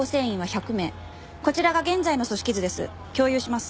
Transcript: こちらが現在の組織図です。